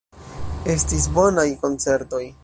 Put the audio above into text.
Estis bonaj koncertoj.